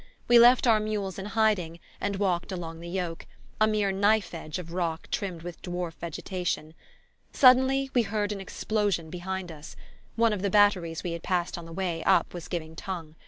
We left our mules in hiding and walked along the yoke, a mere knife edge of rock rimmed with dwarf vegetation. Suddenly we heard an explosion behind us: one of the batteries we had passed on the way up was giving tongue.